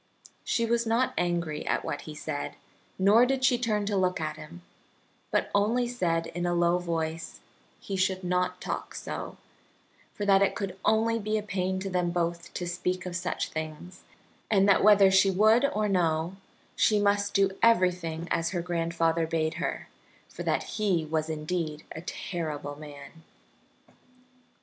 She was not angry at what he said, nor did she turn to look at him, but only said, in a low voice, he should not talk so, for that it could only be a pain to them both to speak of such things, and that whether she would or no, she must do everything as her grandfather bade her, for that he was indeed a terrible man.